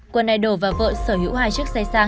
quân idol và vợ sở hữu hai chiếc xe sang